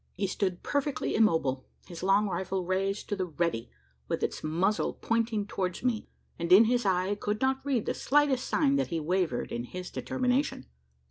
He stood perfectly immobile his long rifle raised to the "ready," with its muzzle pointing towards me and in his eye I could not read the slightest sign that he wavered in his determination!